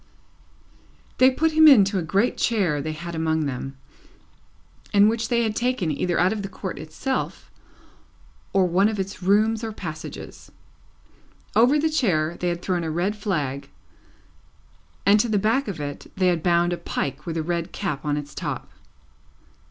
They put him into a great chair they had among them, and which they had taken either out of the Court itself, or one of its rooms or passages. Over the chair they had thrown a red flag, and to the back of it they had bound a pike with a red cap on its top.